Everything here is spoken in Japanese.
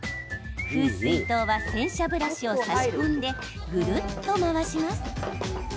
封水筒は洗車ブラシを差し込んでぐるっと回します。